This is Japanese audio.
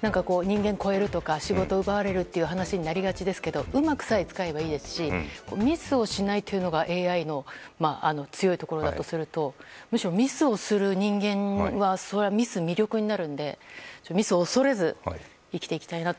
何か、人間を超えるとか仕事を奪われるっていう話になりがちですがうまく使えばいいですしミスをしないというのがＡＩの強いところだとするとむしろ、ミスをする人間はそれはミスも魅力になるのでミスを恐れず生きていきたいなと。